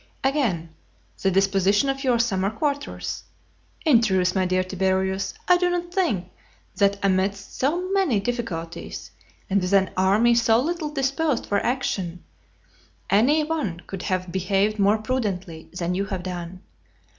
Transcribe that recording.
Again. "The disposition of your summer quarters? In truth, my dear Tiberius, I do not think, that amidst so many difficulties, and with an army so little disposed for action, any one could have behaved more prudently than you have done.